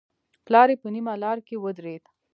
پلار يې په نيمه لاره کې ودرېد.